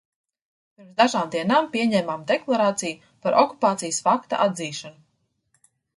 Pirms dažām dienām pieņēmām deklarāciju par okupācijas fakta atzīšanu.